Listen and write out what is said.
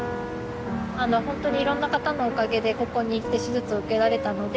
本当にいろんな方のおかげでここに来て手術を受けられたので。